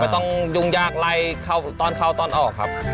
ตอนเข้าตอนออกครับ